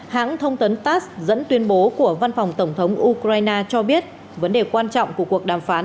hãng thông tấn tass dẫn tuyên bố của văn phòng tổng thống ukraine cho biết vấn đề quan trọng của cuộc đàm phán